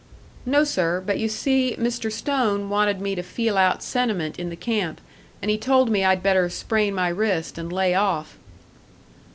"No, sir; but you see, Mr. Stone wanted me to feel out sentiment in the camp, and he told me I'd better sprain my wrist and lay off."